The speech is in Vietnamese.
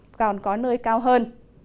còn có nơi cao hơn